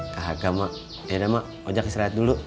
kagak mak yaudah mak ojek istirahat dulu